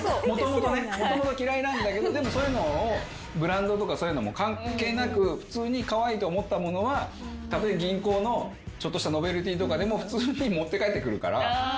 もともと嫌いなんだけどでもそういうのをブランドとか関係なく普通にカワイイと思ったものはたとえ銀行のちょっとしたノベルティーでも普通に持って帰ってくるから。